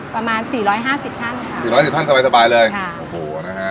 ประมาณสี่ร้อยห้าสิบท่านค่ะสี่ร้อยสิบท่านสบายสบายเลยค่ะโอ้โหนะฮะ